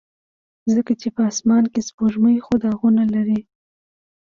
ځکه چې په اسمان کې سپوږمۍ خو داغونه لري.